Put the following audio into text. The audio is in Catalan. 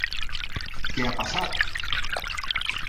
Què ha passat?